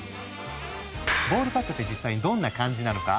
ボールパークって実際にどんな感じなのか？